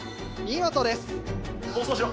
見事です。